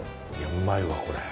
うまいわ、これ。